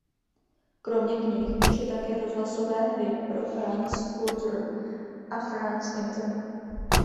Kromě knih píše také rozhlasové hry pro France Culture a France Inter.